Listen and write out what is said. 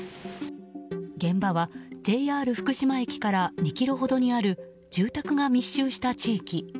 現場はＪＲ福島駅から２ｋｍほどにある住宅が密集した地域。